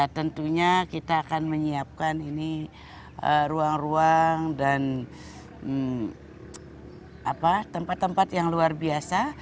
tentunya kita akan menyiapkan ini ruang ruang dan tempat tempat yang luar biasa